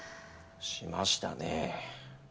しましたね。